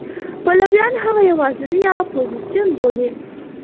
پلویان هغه یوازینی اپوزېسیون بولي.